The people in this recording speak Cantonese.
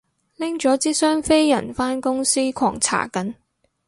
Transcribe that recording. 拎咗支雙飛人返公司狂搽緊